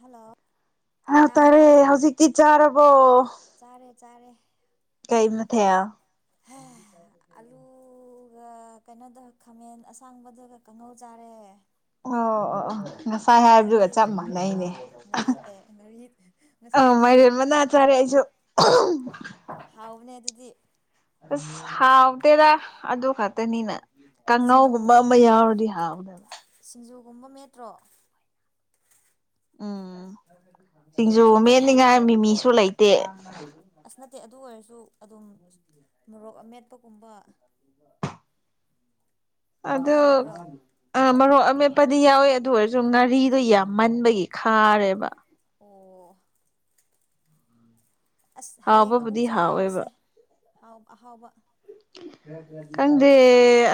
hello ꯍꯥꯏ ꯇꯔꯦ ꯇꯥꯕ꯭ꯔꯣ ꯍꯧꯖꯤꯛꯇꯤ ꯆꯥꯔꯕꯣ ꯆꯥꯔꯦ ꯆꯥꯔꯦ ꯀꯩ ꯃꯊꯌꯥ ꯃ ꯀꯥꯏ ꯑꯂꯨꯒ ꯀꯩꯅꯣꯗꯧ ꯈꯥꯃꯦꯟ ꯑꯁꯥꯡꯕꯗꯨꯒ ꯀꯥꯡꯍꯧ ꯆꯥꯔꯦ ꯑꯣ ꯑ ꯉꯁꯥꯏ ꯍꯥꯏꯕꯗꯨꯒ ꯅꯪꯗꯤ ꯆꯞ ꯃꯥꯟꯅꯩꯅꯦ ꯑꯥ ꯉꯥꯔꯤ ꯑꯦ ꯉꯥꯔꯤ ꯑ ꯉꯁꯥꯏꯗꯤ ꯃꯥꯏꯔꯦꯟ ꯃꯅꯥ ꯆꯥꯔꯦ ꯑꯩꯁꯨ ꯑ ꯍꯥꯎꯕꯅꯦ ꯑꯗꯨꯗꯤ ꯑꯁ ꯍꯥꯎꯗꯦꯗ ꯑꯗꯨ ꯈꯛꯇꯅꯤꯅ ꯁꯤꯡꯖꯨ ꯀꯥꯡꯍꯥꯎꯒꯨꯝꯕ ꯑꯃ ꯌꯥꯎꯔꯗꯤ ꯍꯥꯎꯗꯕ ꯁꯤꯡꯖꯨꯒꯨꯝꯕ ꯃꯦꯠꯇ꯭ꯔꯣ ꯎꯝ ꯁꯤꯡꯖꯨ ꯃꯦꯟꯠꯅꯤꯉꯥꯏ ꯃꯤꯃꯤꯁꯨ ꯂꯩꯇꯦ ꯑꯁ ꯅꯠꯇꯦ ꯑꯗꯨ ꯑꯣꯏꯔꯁꯨ ꯑꯗꯨꯝ ꯃꯣꯔꯣꯛ ꯑꯃꯦꯠꯄꯒꯨꯝꯕ ꯌꯥꯎꯗꯕ꯭ꯔꯣ ꯑ ꯃꯔꯣꯛ ꯑꯃꯦꯠꯄꯗꯤ ꯌꯥꯎꯋꯤ ꯑꯗꯨ ꯑꯣꯏꯔꯁꯨ ꯑꯣ ꯉꯥꯔꯤꯗꯣ ꯌꯥꯎ ꯃꯟꯕꯒꯤ ꯈꯥꯔꯦꯕ ꯑꯣ ꯑꯁ ꯍꯌꯦꯡ ꯑꯃꯨꯛ ꯍꯥꯎꯕꯕꯨꯗꯤ ꯍꯥꯎꯋꯦꯕ ꯆꯥꯎꯁꯦ ꯑꯍꯥꯎꯕ ꯍꯝ ꯈꯪꯗꯦ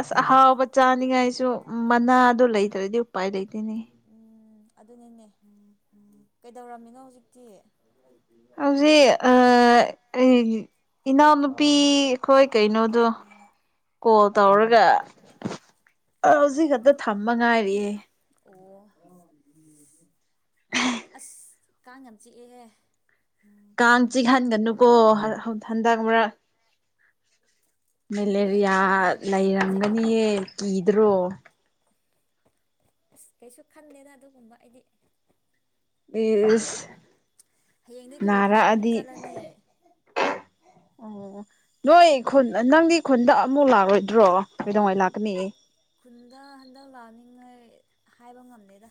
ꯑꯁ ꯑꯍꯥꯎꯕ ꯆꯥꯅꯤꯡꯉꯥꯏꯁꯨ ꯃꯅꯥꯗ ꯂꯩꯇ꯭ꯔꯗꯤ ꯎꯄꯥꯏ ꯂꯩꯇꯣꯏꯅꯦ ꯎꯝ ꯑꯗꯨꯅꯤꯅꯦ ꯎꯝ ꯎꯝ ꯀꯩꯗꯧꯔꯝꯃꯤꯅꯣ ꯍꯧꯖꯤꯛꯇꯤ ꯍꯧꯖꯤꯛ ꯏꯅꯥꯎꯅꯨꯄꯤ ꯀꯣꯏ ꯀꯩ ꯅꯣꯗ ꯀꯣꯜ ꯇꯧꯔꯒ ꯍꯧꯖꯤꯛ ꯈꯛꯇ ꯊꯝꯕ ꯉꯥꯏꯔꯤꯑꯦ ꯑꯣ ꯑꯁ ꯀꯥꯡ ꯌꯥꯝ ꯆꯤꯛꯑꯦꯍꯦ ꯀꯥꯡ ꯆꯤꯛꯍꯟꯒꯅꯨꯀꯣ ꯍꯟꯗꯛ ꯃꯔꯛ ꯈꯪꯗ꯭ꯔꯦꯗ ꯃꯦꯂꯦꯔꯤꯌꯥ ꯑꯩꯈꯣꯏꯗꯤ ꯑꯗꯨꯝ ꯆꯦꯛꯍꯜꯂꯦ ꯂꯩꯔꯝꯒꯅꯤꯌꯦ ꯀꯤꯗ꯭ꯔꯣ ꯑꯁ ꯀꯩꯁꯨ ꯈꯟꯂꯦꯅ ꯑꯗꯨꯒꯨꯝꯕ ꯑꯩꯗꯤ ꯕꯤꯁ ꯍꯌꯦꯡꯗꯒꯤ ꯀꯔꯤ ꯊꯕꯛ ꯑꯃꯨꯛ ꯆꯠꯂꯅꯤ ꯑꯣ ꯅꯣꯏ ꯈꯨꯟ ꯅꯪꯗꯤ ꯈꯨꯟꯗ ꯑꯃꯨꯛ ꯂꯥꯛꯂꯣꯏꯗ꯭ꯔꯣ ꯀꯩꯗꯧꯉꯩ ꯂꯥꯛꯀꯅꯤ ꯈꯨꯟꯗ ꯍꯟꯗꯛ ꯂꯥꯛꯅꯤꯡꯉꯥꯏ ꯍꯥꯏꯕ ꯉꯝꯗꯦꯗ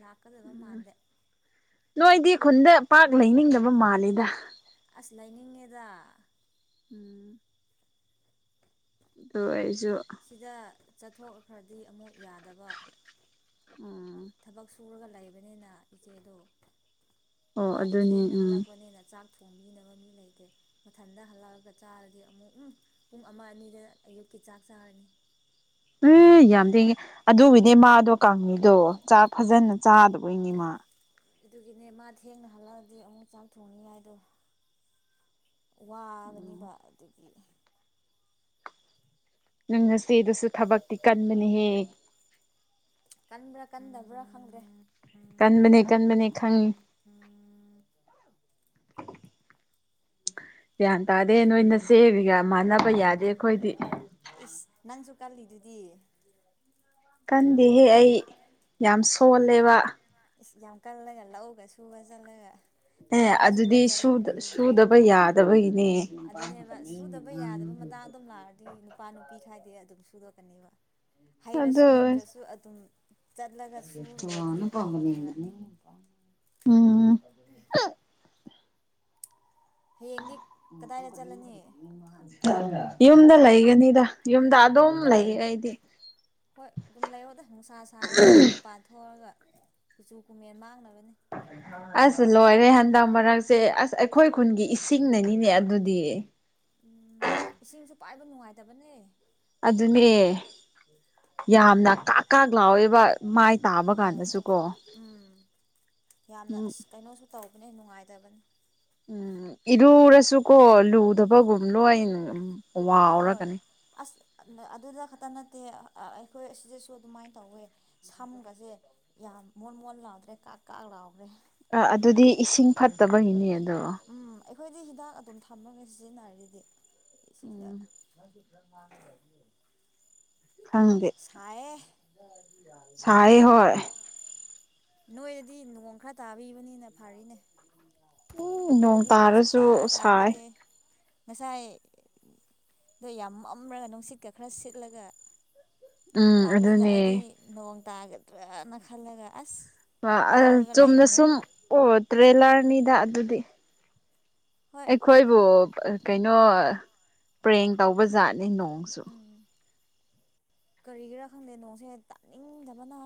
ꯂꯥꯛꯀꯗꯕ ꯃꯥꯟꯗꯦ ꯅꯣꯏꯗꯤ ꯈꯨꯟꯗ ꯄꯥꯛ ꯂꯩꯅꯤꯡꯗꯕ ꯃꯥꯜꯂꯦꯗ ꯑꯁ ꯂꯩꯅꯤꯡꯉꯦꯗ ꯎꯝ ꯑꯗ ꯑꯩꯁꯨ ꯁꯤꯗ ꯆꯠꯊꯣꯛꯈ꯭ꯔꯗꯤ ꯑꯃꯨꯛ ꯌꯥꯗꯕ ꯎꯝ ꯊꯕꯛ ꯁꯨꯔꯒ ꯂꯩꯕꯅꯤꯅ ꯏꯆꯦꯗꯣ ꯑꯣ ꯃꯥꯗꯤ ꯑꯗꯨꯅꯤ ꯊꯦꯡꯅ ꯎꯝ ꯍꯜꯂꯛꯄꯅꯤꯅ ꯆꯥꯛ ꯊꯣꯡꯕꯤꯅꯕ ꯃꯤ ꯂꯩꯇꯦ ꯃꯊꯟꯇ ꯍꯜꯂꯛꯑꯒ ꯆꯥꯔꯗꯤ ꯑꯃꯨꯛ ꯄꯨꯡ ꯑꯃ ꯑꯅꯤꯗ ꯑꯌꯨꯛꯀꯤ ꯆꯥꯛ ꯆꯥꯔꯅꯤ ꯎꯝ ꯌꯥꯝ ꯊꯦꯡꯉꯦ ꯑꯗꯨꯒꯤꯅꯦ ꯃꯥꯗꯣ ꯀꯥꯡꯗꯣꯥꯛ ꯐꯖꯅ ꯆꯥꯗꯕꯩꯅꯤ ꯃꯥ ꯑꯗꯨꯒꯤꯅꯦ ꯃꯥ ꯊꯦꯡꯅ ꯍꯜꯂꯛꯑꯗꯤ ꯑꯃꯨꯛ ꯆꯥꯛ ꯊꯣꯡꯅꯤꯉꯥꯏꯗꯣ ꯋꯥꯒꯅꯦꯕ ꯑꯗꯒꯤ ꯪ ꯉꯆꯦꯗꯨꯁꯨ ꯊꯕꯛꯇꯤ ꯀꯟꯕꯅꯦꯍꯦ ꯀꯟꯕ꯭ꯔꯥ ꯀꯟꯗꯕ꯭ꯔꯥ ꯈꯪꯗ꯭ꯔꯦ ꯀꯟꯕꯅꯦ ꯀꯟꯕꯅꯦ ꯈꯪꯉꯤ ꯒ꯭ꯌꯥꯟ ꯇꯥꯗꯦ ꯅꯣꯏꯅ ꯆꯦꯒ ꯃꯥꯟꯅꯕ ꯌꯥꯗꯦ ꯑꯩꯈꯣꯏꯗꯤ ꯏꯁꯁ ꯅꯪꯁꯨ ꯀꯜꯂꯤꯗꯨꯗꯤ ꯀꯟꯗꯦꯍꯦ ꯑꯩ ꯌꯥꯝ ꯁꯣꯜꯂꯦꯕ ꯌꯥꯝ ꯀꯜꯂꯒ ꯂꯧꯒ ꯁꯨꯕ ꯆꯜꯂꯒ ꯑꯦ ꯑꯗꯨꯗꯤ ꯁꯨꯗꯕ ꯌꯥꯗꯕꯒꯤꯅꯦ ꯑꯗꯨꯅꯦꯕ ꯁꯨꯗꯕ ꯌꯥꯗꯕ ꯃꯇꯥꯡ ꯑꯗꯨꯝ ꯂꯥꯛꯔꯗꯤ ꯅꯨꯄꯥ ꯅꯨꯄꯤ ꯈꯔꯗꯤ ꯑꯗꯨꯝ ꯁꯨꯗꯣꯛꯀꯅꯦꯕ ꯑꯗꯨ ꯍꯩꯔꯁꯨ ꯍꯩꯇ꯭ꯔꯁꯨ ꯑꯗꯨꯝ ꯆꯠꯂꯒ ꯁꯨꯔꯗꯤ ꯑꯗꯨꯝ ꯍꯩꯒꯅꯦꯕ ꯎꯝ ꯍꯌꯦꯡꯅꯤ ꯌꯨꯝꯗ ꯂꯩꯒꯅꯤꯗ ꯌꯨꯝꯗ ꯀꯝ ꯂꯩꯦ ꯑꯩꯗꯤ ꯍꯣꯏ ꯑꯗꯨꯝ ꯂꯩꯔꯣꯗ ꯅꯨꯡꯁꯥ ꯁꯥꯕ ꯀꯥꯟꯗ ꯃꯄꯥꯟ ꯊꯣꯛꯑꯒ ꯀꯨꯆꯨ ꯀꯨꯃꯦꯟ ꯃꯥꯡꯅꯕꯅꯤ ꯑꯁ ꯂꯣꯏꯔꯦ ꯍꯟꯗꯛ ꯃꯔꯛꯁꯦ ꯑꯁ ꯑꯩꯈꯣꯏ ꯈꯨꯟꯒꯤ ꯏꯁꯤꯡꯅꯅꯤꯅꯦ ꯑꯗꯨꯗꯤ ꯎꯝ ꯏꯁꯤꯡꯁꯨ ꯄꯥꯏꯕ ꯅꯨꯡꯉꯥꯏꯇꯕꯅꯦ ꯑꯗꯨꯅꯦ ꯌꯥꯝꯅ ꯀꯥꯛ ꯀꯥꯛ ꯂꯥꯎꯋꯦꯕ ꯃꯥꯏ ꯇꯥꯕ ꯍꯣꯏ ꯀꯥꯟꯗꯁꯨ ꯀꯣ ꯎꯝ ꯌꯥꯝꯅ ꯑꯁ ꯀꯩꯅꯣꯁꯨ ꯇꯧꯕꯅꯦ ꯅꯨꯡꯉꯥꯏꯇꯕꯅꯤ ꯎꯝ ꯏꯔꯨꯔꯁꯨꯀꯣ ꯎꯝ ꯂꯨꯗꯕꯒꯨꯝꯅꯣ ꯑꯩꯅ ꯍꯣꯏ ꯋꯥꯎꯔꯒꯅꯤ ꯑꯁ ꯑꯗꯨꯗ ꯈꯛꯇ ꯅꯠꯇꯦ ꯑꯩꯈꯣꯏ ꯑꯁꯤꯗꯁꯨ ꯑꯗꯨꯃꯥꯏꯅ ꯇꯧꯋꯦ ꯁꯝꯒꯁꯦ ꯌꯥꯝ ꯃꯣꯟ ꯃꯣꯟ ꯂꯥꯎꯗ꯭ꯔꯦ ꯀꯥꯛ ꯀꯥꯛ ꯂꯥꯎꯈ꯭ꯔꯦ ꯑ ꯑꯗꯨꯗꯤ ꯏꯁꯤꯡ ꯐꯠꯇꯕꯒꯤꯅꯦ ꯑꯗꯣ ꯎꯝ ꯑꯩꯈꯣꯏꯗꯤ ꯍꯤꯗꯥꯛ ꯑꯗꯨꯝ ꯊꯝꯃꯒ ꯁꯤꯖꯤꯟꯅꯔꯒꯗꯤꯁꯤꯡꯗ ꯊꯥꯡꯗꯦ ꯁꯌꯦ ꯆꯥꯏ ꯍ ꯅꯣꯏꯗꯤ ꯅꯣꯡ ꯈꯔ ꯇꯥꯕꯤꯕꯅꯤꯅ ꯐꯔꯤꯅꯦ ꯎꯝ ꯑꯩꯈꯣꯏꯗꯗꯤ ꯅꯣꯡ ꯁꯨꯛ ꯇꯥꯔꯁꯨ ꯇꯥ ꯁꯥꯏ ꯇꯥꯕꯤꯗꯦ ꯉꯁꯥꯏꯗꯣ ꯌꯥꯝ ꯑꯃꯝꯃꯒ ꯅꯨꯡꯁꯤꯠꯀ ꯈꯔ ꯁꯤꯠꯂꯒ ꯎꯝ ꯂꯥꯛꯄꯗꯨꯗ ꯑꯗꯨꯅꯦ ꯑꯩꯗꯤ ꯅꯣꯡ ꯇꯥꯒꯗ꯭ꯔꯅ ꯈꯜꯂꯒ ꯑꯁ ꯍꯔꯥꯎꯔꯒ ꯆꯨꯝꯅ ꯂꯩꯕꯅꯦ ꯁꯨꯝ ꯑꯣ ꯇ꯭ꯔꯦꯂꯔꯅꯤꯗ ꯑꯗꯨꯗꯤ ꯍꯣꯏ ꯑꯩꯈꯣꯏꯕꯨ ꯀꯩꯅꯣ ꯄ꯭ꯔꯦꯡ ꯇꯧꯕ ꯖꯥꯠꯅꯤ ꯅꯣꯡꯁꯨ ꯎꯝ ꯀꯔꯤꯒꯤꯔꯥ ꯈꯪꯗꯦ ꯅꯣꯡꯁꯦ ꯇꯥꯅꯤꯡꯗꯕꯅ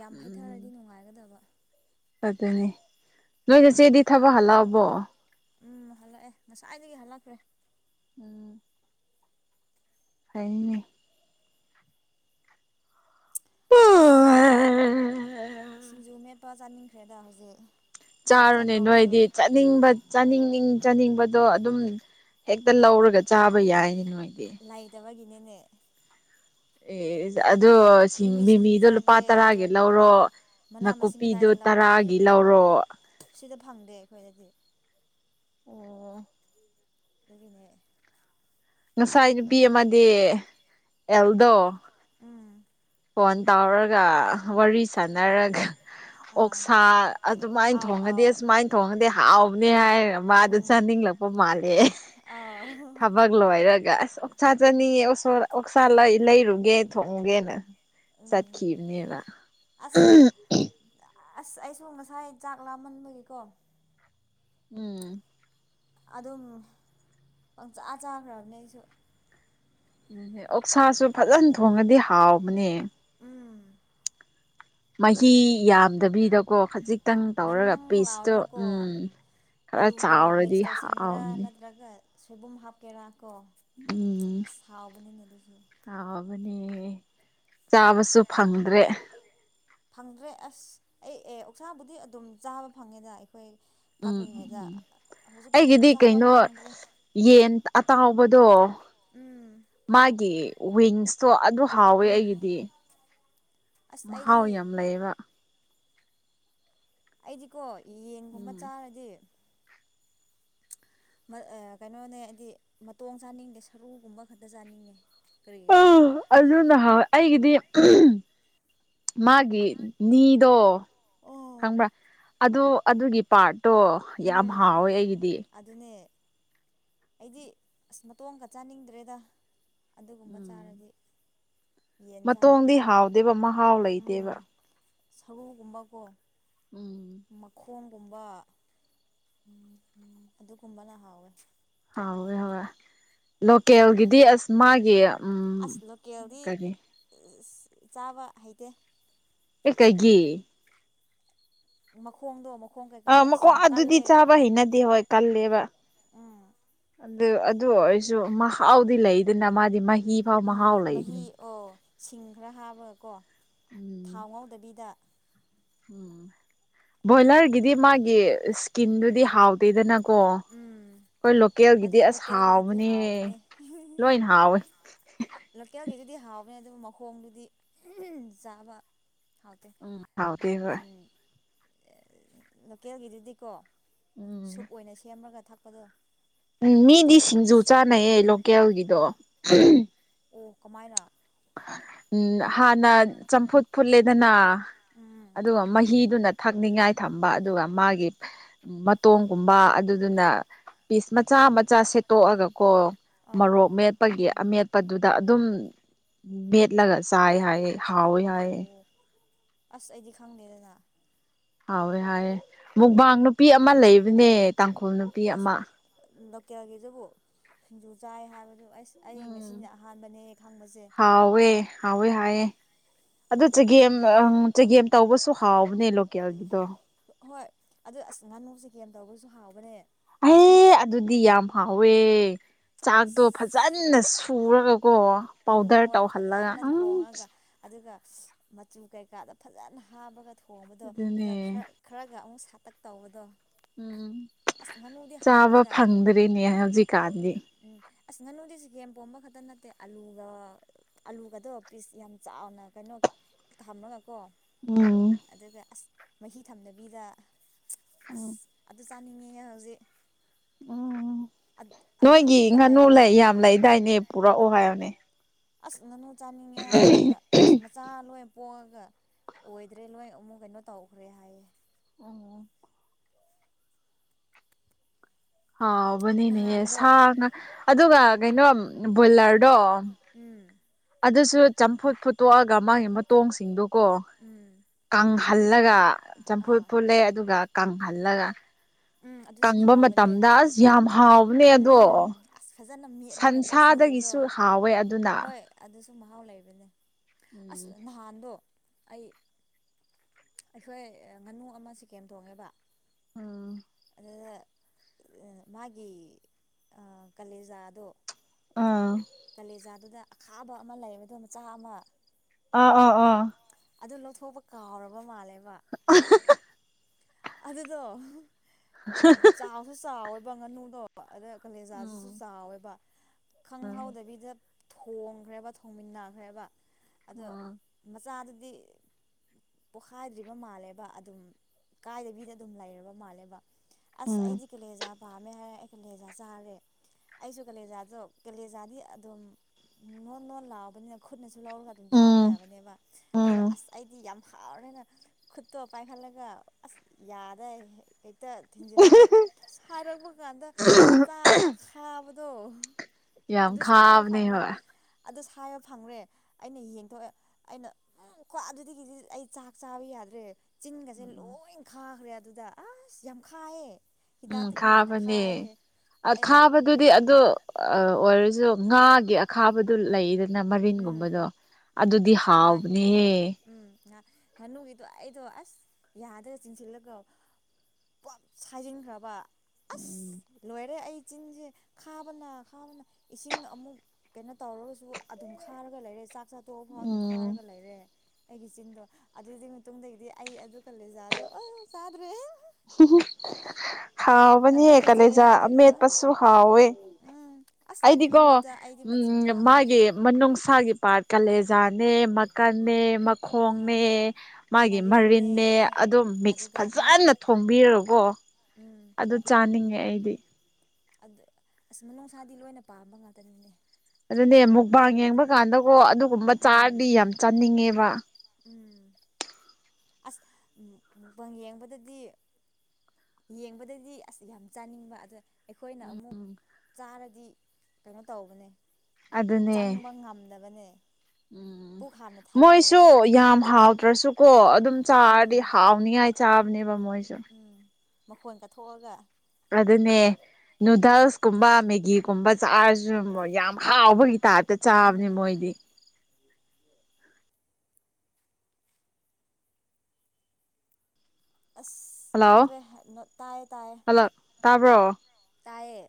ꯌꯥꯝ ꯎꯝ ꯍꯩꯊꯔꯗꯤ ꯅꯨꯡꯉꯥꯏꯒꯗꯕ ꯑꯗꯨꯅꯤ ꯅꯣꯏ ꯅꯆꯦꯗꯤ ꯊꯕꯛ ꯍꯜꯂꯛꯑꯕꯣ ꯎꯝ ꯍꯜꯂꯛꯑꯦ ꯉꯁꯥꯏꯗꯒꯤ ꯍꯜꯂꯛꯈ꯭ꯔꯦ ꯎꯝ ꯍꯥꯏꯅꯦ ꯑꯁ ꯁꯤꯡꯖꯨ ꯃꯦꯠꯄ ꯆꯥꯅꯤꯡꯈ꯭ꯔꯦꯗ ꯍꯧꯖꯤꯛ ꯆꯥꯛ ꯆꯥꯔꯨꯅꯦ ꯆꯥꯠꯇꯣꯛꯑꯁꯨ ꯅꯣꯏꯗꯤ ꯆꯠ ꯆꯥꯅꯤꯡꯕ ꯆꯥꯅꯤꯡ ꯆꯥꯅꯤꯡꯕꯗꯣ ꯑꯗꯨꯝ ꯍꯦꯛꯇ ꯂꯧꯔꯒ ꯆꯥꯕ ꯌꯥꯏꯅꯤ ꯅꯣꯏꯗꯤ ꯂꯩꯇꯕꯒꯤꯅꯤꯅꯦ ꯑꯦ ꯑꯗꯣ ꯁꯤꯡ ꯃꯤꯃꯤ ꯁꯤꯡꯖꯨ ꯃꯤꯃꯤꯗꯣ ꯂꯨꯄꯥ ꯆꯥꯒꯦ ꯑꯗꯣ ꯇꯔꯥꯒꯤ ꯂꯧꯔꯣ ꯃꯅꯥ ꯃꯁꯤꯡ ꯅꯥꯀꯨꯞꯄꯤꯗꯨꯣ ꯀꯗꯥꯏꯗ ꯂꯧꯒꯅꯤ ꯇꯔꯥꯒꯤ ꯂꯧꯔꯣ ꯁꯤꯗ ꯐꯪꯗꯦ ꯑꯩꯈꯣꯏꯗꯗꯤ ꯑꯣ ꯑꯗꯨꯗꯒꯤꯅꯦ ꯉꯁꯥꯏ ꯅꯨꯄꯤ ꯑꯃꯗꯤ ꯑꯦꯜꯗꯣ ꯎꯝ ꯐꯣꯟ ꯇꯧꯔꯒ ꯋꯥꯔꯤ ꯁꯥꯟꯅꯔꯒ ꯑꯥ ꯑꯣꯛꯁꯥ ꯑꯗꯨꯃꯥꯏꯅ ꯑꯥꯎ ꯊꯣꯡꯉꯗꯤ ꯑꯥꯎ ꯑꯁꯨꯃꯥꯏꯅ ꯊꯣꯡꯉꯗꯤ ꯍꯥꯎꯕꯅꯦ ꯍꯥꯏꯔꯒ ꯃꯥꯗ ꯆꯥꯅꯤꯡꯂꯛꯄ ꯃꯥꯂꯦ ꯑ ꯕꯛ ꯂꯣ ꯍꯥꯏꯔꯒ ꯑꯁ ꯑꯣꯛꯁꯥ ꯆꯠꯅꯤꯡꯌꯦ ꯑꯣꯛꯁꯥ ꯂꯩꯔꯨꯒꯦ ꯊꯣꯡꯉꯨꯒꯦꯅ ꯎꯝ ꯆꯠꯈꯤꯕꯅꯦꯕ ꯑꯁ ꯑꯁ ꯑꯩ ꯁꯨ ꯉꯁꯥꯏ ꯆꯥꯛ ꯂꯥꯝꯃꯟꯕꯒꯤꯀꯣ ꯎꯝ ꯑꯗꯨꯝ ꯄꯪꯆꯥꯥ ꯆꯥꯈ꯭ꯔꯕꯅꯦ ꯑꯩꯁꯨ ꯑꯣꯛꯁꯥꯁꯨ ꯐꯖꯅ ꯊꯣꯡꯉꯗꯤ ꯍꯥꯎꯕꯅꯦ ꯎꯝ ꯃꯍꯤ ꯌꯥꯝꯗꯕꯤꯗꯀꯣ ꯈꯖꯤꯛ ꯈꯤꯇꯪ ꯅꯪ ꯇꯧꯔꯒ ꯅꯪ ꯄꯤꯁꯇꯣ ꯂꯥꯎꯔꯒꯀꯣ ꯈꯔ ꯑꯂꯨꯒ ꯆꯥꯎꯔꯗꯤ ꯃꯤꯛꯁ ꯇꯧꯁꯤꯟꯒꯦꯔꯥ ꯍꯥꯎꯅꯤ ꯅꯠꯇ꯭ꯔꯒ ꯁꯣꯏꯕꯨꯝ ꯍꯥꯞꯀꯦꯔꯥꯀꯣ ꯎꯝ ꯁꯥꯎꯕꯅꯤꯅꯦ ꯑꯗꯨꯁꯨ ꯍꯥꯎꯕꯅꯦ ꯆꯥꯕꯁꯨ ꯐꯪꯗ꯭ꯔꯦ ꯐꯪꯗ꯭ꯔꯦ ꯑꯁ ꯑꯩ ꯑꯦ ꯑꯣꯛꯁꯥꯕꯨꯗꯤ ꯑꯗꯨꯝ ꯆꯥꯕ ꯐꯪꯉꯦꯗ ꯑꯩꯈꯣꯏ ꯎꯝ ꯀꯛꯂꯤꯉꯩꯗ ꯎꯝ ꯍꯧꯖꯤꯛꯇꯤ ꯑꯩꯒꯤꯗꯤ ꯆꯥꯕ ꯑꯃꯨꯛ ꯀꯩꯅꯣ ꯐꯪꯗ꯭ꯔꯦ ꯌꯦꯟ ꯑꯇꯥꯎꯕꯗꯣ ꯎꯝ ꯃꯥꯒꯤ ꯋꯤꯡꯁꯇꯣ ꯑꯗꯨ ꯍꯥꯎꯋꯦ ꯎꯝ ꯑꯩꯒꯤꯗꯤ ꯑꯁ ꯑꯩꯗꯤ ꯃꯍꯥꯎ ꯌꯥꯝ ꯂꯩꯌꯦꯕ ꯑꯩꯗꯤꯀꯣ ꯌꯦꯟꯒꯨꯝꯕ ꯆꯥꯔꯗꯤ ꯀꯩꯅꯣꯅꯦ ꯍꯥꯏꯗꯤ ꯃꯇꯣꯡ ꯆꯥꯅꯤꯡꯗꯦ ꯁꯔꯨꯒꯨꯝꯕ ꯈꯛꯇ ꯆꯥꯅꯤꯡꯉꯦ ꯀꯔꯤꯒꯤꯔꯥ ꯑꯗꯨ ꯅꯍꯥꯟꯋꯥ ꯑꯩꯒꯤꯗꯤ ꯃꯥꯒꯤ ꯅꯤꯗꯣ ꯑꯣ ꯈꯪꯕ꯭ꯔꯥ ꯑꯗꯣ ꯑꯗꯨꯒꯤ ꯄꯥꯔꯠꯇꯣ ꯌꯥꯝ ꯎꯝ ꯍꯥꯎꯋꯦ ꯑꯩꯒꯤꯗꯤ ꯑꯗꯨꯅꯦ ꯑꯩꯗꯤ ꯑꯁ ꯃꯇꯣꯒ ꯆꯥꯅꯤꯡꯗ꯭ꯔꯦꯗ ꯑꯗꯨꯒꯨꯝꯕ ꯎꯝ ꯆꯥꯔꯗꯤ ꯌꯦꯟ ꯆꯥꯔꯗꯤ ꯃꯇꯣꯡꯗꯤ ꯍꯥꯎꯗꯦꯕ ꯃꯍꯥꯎ ꯎꯝ ꯂꯩꯇꯦꯕ ꯁꯔꯨꯒꯨꯝꯕꯀꯣ ꯎꯝ ꯃꯈꯣꯡꯒꯨꯝꯕ ꯎꯝ ꯎꯝ ꯑꯗꯨꯒꯨꯝꯕꯅ ꯍꯥꯎꯋꯦ ꯍꯋꯦ ꯍꯦ ꯂꯣꯀꯦꯜꯒꯤꯗꯤ ꯑꯁ ꯃꯥꯒꯤ ꯑꯁ ꯂꯣꯀꯦꯜꯗꯤ ꯀꯔꯤ ꯆꯥꯕ ꯍꯩꯇꯦ ꯑꯦꯒꯤ ꯃꯈꯣꯡꯗꯣ ꯑꯃꯨꯛ ꯑꯥ ꯃꯀꯣꯛ ꯑꯗꯨꯗꯤ ꯆꯥꯕ ꯍꯩꯅꯗꯦ ꯍꯣꯏ ꯀꯜꯂꯦꯕ ꯎꯝ ꯑꯗꯨ ꯑꯗꯨ ꯑꯣꯏꯔꯁꯨ ꯃꯍꯥꯎꯗꯤ ꯂꯩꯗꯅ ꯃꯥꯗꯤ ꯃꯍꯤ ꯐꯥꯎ ꯃꯍꯥꯎ ꯎꯝ ꯃꯍꯤ ꯂꯩꯕꯅꯤ ꯑꯣ ꯁꯤꯡ ꯈꯔ ꯍꯥꯞꯕꯀꯣ ꯎꯝ ꯊꯥꯎ ꯉꯧꯗꯕꯤꯗ ꯎꯝ ꯕꯣꯏꯂꯔꯒꯤꯗꯤ ꯃꯥꯒꯤ ꯏꯁꯀꯤꯟꯗꯨꯗꯤ ꯍꯥꯎꯗꯦꯗꯅ ꯀꯣ ꯎꯝ ꯑꯩꯈꯣꯏ ꯂꯣꯀꯦꯜꯒꯤꯗꯤ ꯑꯗꯨꯕꯨ ꯑꯁ ꯂꯣꯀꯦꯜꯒꯤꯗꯨꯗꯤ ꯍꯥꯎꯕꯅꯦ ꯍꯥꯎꯕꯅꯦ ꯂꯣꯏ ꯍꯥꯎꯋꯦ ꯂꯣꯀꯦꯜꯒꯤꯗꯨꯗꯤ ꯍꯥꯎꯕꯅꯦ ꯑꯗꯨꯕꯨ ꯃꯈꯣꯡꯗꯨꯗꯤ ꯆꯥꯕ ꯍꯥꯎꯗ ꯎꯝ ꯍꯥꯎꯇꯦ ꯍꯣꯏ ꯎ ꯂꯣꯀꯦꯜꯒꯤꯗꯨꯗꯤꯀꯣ ꯎꯝ ꯁꯨꯞ ꯑꯣꯏꯅ ꯁꯦꯝꯃꯒ ꯊꯛꯄꯗꯣ ꯎꯝ ꯃꯤꯗꯤ ꯑꯗ ꯁꯤꯡꯖꯨ ꯆꯥꯅꯩꯌꯦ ꯂꯣꯀꯦꯜꯒꯤꯗꯣ ꯑꯣ ꯀꯃꯥꯏꯅ ꯎꯝ ꯍꯥꯟꯅ ꯆꯝꯐꯨꯠ ꯐꯨꯠꯂꯦꯗꯅ ꯎꯝ ꯑꯗꯨꯒ ꯃꯍꯤꯗꯨꯅ ꯊꯛꯅꯤꯡꯉꯥꯏ ꯊꯝꯕ ꯑꯗꯨꯒ ꯃꯥꯒꯤ ꯃꯇꯣꯒꯨꯝꯕ ꯑꯗꯨꯅ ꯄꯤꯁ ꯃꯆꯥ ꯃꯆꯥ ꯁꯦꯠꯇꯣꯛꯑꯒꯀꯣ ꯑꯥ ꯃꯣꯔꯣꯛ ꯃꯦꯠꯄꯒꯤ ꯑꯃꯦꯠ ꯄꯗꯨꯗ ꯑꯗꯨꯝ ꯃꯦꯠꯂꯒ ꯆꯥꯏ ꯍꯥꯏꯑꯦ ꯍꯥꯎꯋꯦ ꯍꯥꯏꯌꯦ ꯑꯣ ꯑꯁ ꯑꯩꯗꯤ ꯈꯪꯗꯦꯗꯅ ꯍꯥꯎꯋꯦ ꯍꯥꯏꯑꯦ ꯃꯨꯛꯕꯥꯡ ꯅꯨꯄꯤ ꯑꯃ ꯂꯩꯕꯅꯦ ꯇꯥꯡꯈꯨꯜ ꯅꯨꯄꯤ ꯑꯃ ꯅꯀꯦꯒꯦꯖꯕꯨ ꯁꯤꯡꯖꯨ ꯆꯥꯏ ꯍꯥꯏꯕꯗꯣ ꯑꯁ ꯑꯩ ꯉꯁꯤꯅ ꯑꯍꯥꯟꯕꯅꯦ ꯈꯪꯕꯁꯦ ꯍꯋꯦ ꯍꯋꯦ ꯍꯥꯏꯑ ꯑꯗꯨ ꯆꯒꯦꯝ ꯆꯒꯦꯝ ꯇꯧꯕꯁꯨ ꯍꯥꯎꯕꯅꯦ ꯂꯣꯀꯦꯜꯒꯤꯗꯣ ꯍꯣꯏ ꯑꯗꯨ ꯑꯁ ꯉꯥꯅꯨꯁꯦ ꯀꯦꯝ ꯇꯧꯕꯒꯤꯁꯨ ꯍꯥꯎꯕꯅꯦ ꯑꯦ ꯑꯗꯨꯗꯤ ꯌꯥꯝ ꯍꯥꯎꯋꯦ ꯆꯥꯛꯇꯣ ꯑꯁ ꯐꯖ ꯐꯖꯅ ꯁꯨꯔꯒꯀꯣ ꯎꯝ ꯄꯥꯎꯗꯔ ꯍꯣꯏ ꯇꯧꯍꯜꯂꯒ ꯐꯖꯅ ꯎꯝ ꯊꯣꯡꯉꯒ ꯑꯗꯨꯒ ꯃꯆꯨ ꯀꯩꯀꯥꯗꯣ ꯐꯖꯅ ꯍꯥꯞꯔꯒ ꯊꯣꯡꯕꯗꯣ ꯑꯗꯨꯅꯦ ꯑꯗꯨꯒ ꯈꯔ ꯈꯔꯒ ꯑꯃꯨꯛ ꯁꯥꯇꯛ ꯇꯧꯕꯗꯣ ꯎꯝ ꯑꯁ ꯉꯥꯅꯨꯗꯤ ꯆꯥꯕ ꯍꯥꯎꯋꯦꯗ ꯐꯪꯗ꯭ꯔꯦꯅꯦ ꯍꯧꯖꯤꯛꯀꯥꯟꯗꯤ ꯎꯝ ꯑꯁ ꯉꯥꯅꯨꯗꯤ ꯆꯤꯒꯦꯝ ꯄꯣꯝꯕ ꯈꯛꯇ ꯅꯠꯇꯦ ꯑꯂꯨꯒ ꯑꯂꯨꯒꯗꯣ ꯄꯤꯁ ꯌꯥꯝ ꯆꯥꯎꯅ ꯀꯩꯅꯣ ꯊꯝꯂꯒꯀꯣ ꯎꯝ ꯑꯗꯨꯒ ꯑꯁ ꯃꯍꯤ ꯊꯝꯗꯕꯤꯗ ꯑꯣ ꯆꯥꯅꯤꯡꯉꯦ ꯍꯧꯖꯤꯛ ꯎꯝ ꯑꯗꯨ ꯅꯣꯏꯒꯤ ꯍꯧꯖꯤꯛꯀ ꯉꯥꯅꯨ ꯂꯩꯔꯕ ꯂꯩ ꯌꯥꯝ ꯂꯩꯗꯥꯏꯅꯦ ꯄꯨꯔꯛꯑꯣ ꯍꯥꯏꯌꯣꯅꯦ ꯑꯁ ꯉꯥꯅꯨ ꯆꯥꯅꯤꯡꯉꯦ ꯍꯥꯏꯔꯒ ꯑꯁ ꯃꯆꯥ ꯂꯣꯏ ꯄꯣꯛꯑꯒ ꯑꯣꯏꯗ꯭ꯔꯦ ꯂꯣꯏ ꯑꯃꯨꯛ ꯀꯩꯅꯣ ꯇꯧꯈ꯭ꯔꯦ ꯍꯥꯏꯌꯦ ꯎꯝ ꯍꯥꯎꯕꯅꯦꯅꯦ ꯁꯥ ꯅꯍꯥꯟꯗꯣ ꯑꯗꯨꯒ ꯀꯩꯅꯣ ꯕꯣꯏꯂꯔꯗꯣ ꯎꯝ ꯑꯗꯨꯁꯨ ꯆꯝꯐꯨꯠ ꯐꯨꯠꯇꯣꯛꯑꯒ ꯃꯥꯒꯤ ꯃꯇꯣꯡꯁꯤꯡꯗꯨꯀꯣ ꯎꯝ ꯀꯪꯍꯜꯂꯒ ꯆꯝꯐꯨꯠ ꯑꯥ ꯐꯨꯠꯂꯦ ꯑꯗꯨꯒ ꯀꯪꯍꯜꯂꯒ ꯎꯝ ꯑꯗꯨꯁꯨ ꯀꯪꯕ ꯍꯥꯎꯕꯅꯦ ꯃꯇꯝꯗ ꯑꯁ ꯌꯥꯝ ꯍꯥꯎꯕꯅꯦ ꯑꯗꯣ ꯎꯝ ꯑꯁ ꯐꯖꯅ ꯃꯦꯠꯂꯒꯀꯣ ꯁꯤꯡꯖꯨꯗꯣ ꯁꯟꯁꯥꯗꯒꯤꯁꯨ ꯍꯥꯎꯋꯦ ꯑꯗꯨꯅ ꯍꯣꯏ ꯑꯗꯨꯁꯨ ꯃꯍꯥꯎ ꯂꯩꯕꯅꯦ ꯑꯁ ꯎꯝ ꯅꯍꯥꯟꯗꯣ ꯑꯩ ꯑꯩꯈꯣꯏ ꯉꯥꯅꯨ ꯑꯃ ꯁꯤꯀꯦꯝ ꯊꯣꯡꯉꯦꯕ ꯎꯝ [unintelligible] ꯑꯗꯨꯗ ꯃꯥꯒꯤ ꯀꯂꯦꯖꯥꯗꯣ ꯑꯥ ꯀꯂꯦꯖꯥꯗꯨꯗ ꯑꯈꯥꯕ ꯑꯃ ꯂꯩꯕꯗꯣ ꯃꯆꯥ ꯑꯃ ꯑ ꯑꯣ ꯑꯣ ꯑꯗꯨ ꯂꯧꯊꯣꯛꯄ ꯀꯥꯎꯔꯕ ꯃꯥꯜꯂꯦꯕ [unintelligible] ꯑꯗꯨꯗꯣ ꯆꯥꯎꯁꯨ ꯆꯥꯎꯋꯦꯕ ꯉꯥꯅꯨꯗꯣ ꯑꯗ ꯑꯥ ꯀꯂꯦꯖꯥꯁꯤꯁꯨ ꯎꯝ ꯆꯥꯎꯋꯦꯕ ꯈꯪꯍꯧꯗꯕꯤꯗ ꯊꯣꯡꯈ꯭ꯔꯦꯕ ꯊꯣꯡꯃꯤꯟꯅꯈ꯭ꯔꯦꯕ ꯑꯗꯣ ꯑꯣ ꯃꯆꯥꯗꯨꯗꯤ ꯄꯣꯈꯥꯏꯗ꯭ꯔꯤꯕ ꯃꯥꯜꯂꯦꯕ ꯑꯗꯨꯝ ꯀꯥꯏꯗꯕꯤꯗ ꯑꯗꯨꯝ ꯂꯩꯔꯕ ꯃꯥꯜꯂꯦꯕ ꯑꯁ ꯎꯝ ꯑꯩꯗꯤ ꯀꯦꯂꯦꯖꯥ ꯄꯥꯝꯃꯦ ꯍꯥꯏꯔ ꯑꯩ ꯀꯂꯦꯖꯥ ꯆꯥꯔꯦ ꯑꯩꯁꯨ ꯀꯦꯂꯦꯖꯥꯗ ꯀꯦꯂꯦꯖꯥꯗꯤ ꯑꯗꯨꯝ ꯅꯣꯟ ꯅꯣꯟ ꯂꯥꯑꯣꯕꯅꯤꯅ ꯈꯨꯠꯅꯁꯨ ꯂꯧꯔꯒ ꯑꯗꯨꯝ ꯆꯥꯕ ꯎꯝ ꯌꯥꯕꯅꯦꯕ ꯑꯗ ꯎꯝ ꯑꯁ ꯑꯩꯗꯤ ꯌꯥꯝ ꯍꯥꯎꯔꯅꯤꯅ ꯈꯨꯠꯇꯣ ꯄꯥꯏꯈꯠꯂꯒ ꯑꯁ ꯌꯥꯗꯦ ꯍꯦꯛꯇ ꯊꯤꯟꯖꯤꯜꯂꯒ ꯁꯥꯔꯛꯄ ꯀꯥꯟꯗ ꯃꯆꯥ ꯑꯃ ꯈꯥꯕꯗꯣ ꯌꯥꯝ ꯑꯗꯨ ꯁꯥꯏꯕ ꯈꯥꯕꯅꯦ ꯐꯪꯉꯣ ꯍꯣꯏ ꯑꯗꯨ ꯁꯥꯏꯕ ꯐꯪꯈ꯭ꯔꯦ ꯑꯩꯅ ꯌꯦꯡꯊꯣꯛꯑꯦ ꯑꯩꯅ ꯎ ꯀꯣ ꯑꯗꯨꯗꯒꯤꯗꯤ ꯑꯩ ꯆꯥꯛ ꯆꯥꯕ ꯌꯥꯗ꯭ꯔꯦ ꯆꯤꯟꯒꯁꯦ ꯎꯝ ꯂꯣꯏ ꯈꯥꯈ꯭ꯔꯦ ꯑꯗꯨꯗ ꯑꯁ ꯌꯥꯝ ꯈꯥꯏꯌꯦ ꯎꯝ ꯎꯝ ꯍꯤꯗꯥꯛꯇꯒꯤ ꯍꯦꯟꯅ ꯈꯥꯏ ꯑꯩꯅ ꯑꯗꯨꯗꯤ ꯑꯗꯨ ꯑꯣꯏꯔꯁꯨ ꯉꯥꯒꯤ ꯑꯈꯥꯕꯗꯨ ꯂꯩꯔ ꯅ ꯎꯝ ꯃꯔꯤꯟꯒꯨꯝꯕꯗꯣ ꯎꯝ ꯑꯗꯨꯗꯤ ꯉꯥꯒꯤ ꯍꯥꯎꯕꯅꯦꯍꯦ ꯅꯠꯇꯕ ꯎꯝ ꯉ ꯉꯥꯅꯨꯒꯤꯗꯣ ꯑꯩꯗꯣ ꯑꯁ ꯌꯥꯗ ꯆꯤꯡꯁꯤꯜꯂꯒ ꯄꯞ ꯁꯥꯏꯖꯤꯟꯈ꯭ꯔꯕ ꯑꯁ ꯎꯝ ꯂꯣꯏꯔꯦ ꯑꯩ ꯆꯤꯟꯖꯦ ꯈꯥꯕꯅ ꯈꯥꯕꯅ ꯏꯁꯤꯡ ꯑꯃꯨꯛ ꯀꯩꯅꯣ ꯇꯧꯔꯒꯁꯨ ꯑꯗꯨꯝ ꯈꯥꯔꯒ ꯂꯩꯔꯦ ꯆꯥꯛ ꯆꯥ ꯇꯣꯛꯑꯐꯥꯎ ꯑꯗꯨꯝ ꯎꯝ ꯈꯥꯔꯒ ꯂꯩꯔꯦ ꯑꯩꯒꯤ ꯆꯤꯟꯗꯣ ꯑꯗꯨꯒꯤ ꯃꯇꯨꯡꯗꯒꯤꯗꯤ ꯑꯩ ꯑꯗꯨ ꯀꯂꯦꯖꯥꯗꯣ ꯑꯣ ꯆꯥꯗ꯭ꯔꯦ ꯌꯥꯝ ꯍꯥꯎꯕꯅꯦ ꯇꯨꯀꯠꯆꯩꯌꯦ ꯀꯥꯂꯦꯖꯥ ꯑꯗꯨꯗꯣ ꯑꯃꯦꯠꯄꯁꯨ ꯍꯥꯎꯋꯦ ꯎꯝ ꯑꯁ ꯑꯗꯨ ꯑꯩꯗꯤꯀꯣ ꯅꯨꯃꯤꯠꯇ ꯑꯩꯗꯤ ꯃꯆꯤꯟ ꯎꯝ ꯀꯥꯕꯅꯦ ꯃꯥꯒꯤ ꯃꯅꯨꯡꯁꯥꯒꯤ ꯄꯥꯔꯠ ꯀꯥꯂꯦꯖꯥꯅꯦ ꯃꯀꯟꯅꯦ ꯑꯥ ꯃꯈꯣꯡꯅꯦ ꯃꯥꯒꯤ ꯃꯔꯤꯟꯅꯦ ꯃꯔꯤꯟꯅ ꯑꯗꯨꯝ ꯃꯤꯛꯁ ꯑꯗꯨꯒ ꯃꯥꯒꯤ ꯐꯖꯅ ꯊꯣꯡꯕꯤꯔꯀꯣ ꯎꯝ ꯑꯗꯨ ꯆꯥꯅꯤꯡꯉꯦ ꯑꯩꯗꯤ ꯑꯗꯨ ꯑꯁ ꯃꯅꯨꯡꯅꯨꯡꯁꯥꯗꯤ ꯂꯣꯏꯅ ꯄꯥꯝꯕ ꯉꯥꯛꯇꯅꯤꯅꯦ ꯑꯗꯨꯅꯦ ꯃꯨꯛꯕꯥ ꯌꯦꯡꯕ ꯀꯥꯟꯗꯀꯣ ꯑꯗꯨꯒꯨꯝꯕ ꯎꯝ ꯆꯥꯔꯗꯤ ꯌꯥꯝ ꯆꯥꯅꯤꯡꯉꯦꯕ ꯎꯝ ꯑꯁ ꯃꯨꯛꯄꯪ ꯌꯦꯡꯕꯗꯗꯤ ꯌꯦꯡꯕꯗꯗꯤ ꯑꯁ ꯌꯥꯝ ꯆꯥꯅꯤꯡꯕ ꯑꯗꯨꯗ ꯑꯩꯈꯣꯏꯅ ꯑꯃꯨꯛ ꯆꯥꯔꯗꯤ ꯀꯩꯅꯣ ꯇꯧꯕꯅꯦ ꯑꯗꯨꯅꯦ ꯆꯪꯕ ꯉꯝꯗꯕꯅꯦ ꯎꯝ ꯄꯨꯛ ꯍꯥꯟꯅ ꯊꯜꯂꯦꯕ ꯃꯣꯏꯁꯨ ꯌꯥꯝ ꯍꯥꯎꯗ꯭ꯔꯁꯨꯀꯣ ꯑꯗꯨꯝ ꯆꯥꯔꯗꯤ ꯎꯝ ꯍꯥꯎꯅꯤꯉꯥꯏ ꯆꯥꯕꯅꯦꯕ ꯃꯣꯏꯁꯨ ꯎꯝ ꯃꯈꯣꯟ ꯀꯠꯊꯣꯛꯑꯒ ꯑꯗꯨꯅꯦ ꯅꯨꯗꯜꯁ ꯀꯨꯝꯕ ꯃꯦꯒꯤꯒꯨꯝꯕ ꯆꯥꯔꯁꯨ ꯌꯥꯝ ꯍꯥꯎꯕꯒꯤ ꯇꯥ ꯇ ꯆꯥꯕꯅꯤ ꯎꯝ ꯃꯣꯏꯗꯤ ꯑꯁ ꯍꯜꯂꯣ ꯈꯪꯗ꯭ꯔꯦ ꯇꯥꯏꯌꯦ ꯇꯥꯏꯌꯦ ꯍꯜꯂꯣ ꯇꯥꯕ꯭ꯔꯣ ꯇꯥꯏꯌꯦ